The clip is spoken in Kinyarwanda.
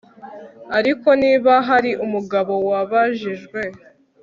ariko niba hari umugabo wabajijwe